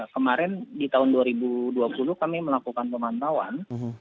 kemarin di tahun dua ribu dua puluh kami melakukan pemantauan